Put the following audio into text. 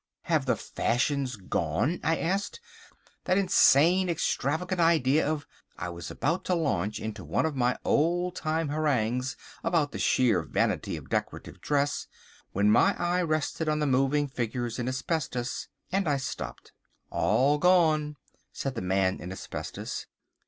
"Have the Fashions gone," I asked, "that insane, extravagant idea of—" I was about to launch into one of my old time harangues about the sheer vanity of decorative dress, when my eye rested on the moving figures in asbestos, and I stopped. "All gone," said the Man in Asbestos.